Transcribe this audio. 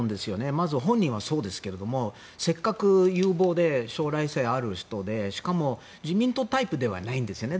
まず本人はそうですけどせっかく有望で将来性ある人でしかも、自民党タイプではないんですよね。